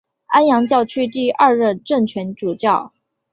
安阳教区第二任正权主教。